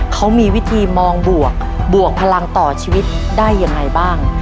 เขามีวิธีมองบวกบวกพลังต่อชีวิตได้ยังไงบ้าง